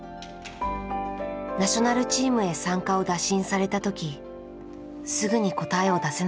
ナショナルチームへ参加を打診された時すぐに答えを出せなかった。